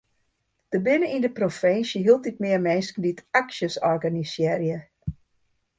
Der binne yn de provinsje hieltyd mear minsken dy't aksjes organisearje.